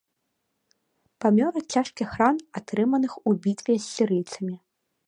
Памёр ад цяжкіх ран атрыманых у бітве з сірыйцамі.